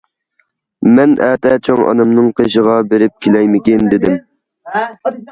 مەن« ئەتە چوڭ ئانامنىڭ قېشىغا بېرىپ كېلەيمىكىن» دېدىم.